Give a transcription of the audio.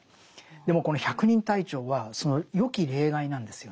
でもこの百人隊長はそのよき例外なんですよね。